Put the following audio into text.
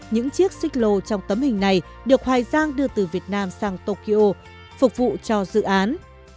những chiếc xích lô trong tấm hình này được hoài giang đưa từ việt nam sang tokyo phục vụ cho dự án